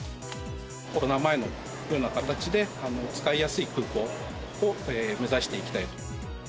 コロナ前のような形で、使いやすい空港を目指していきたいと。